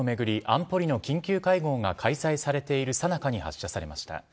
安保理の緊急会合が開催されているさなかに発射されました。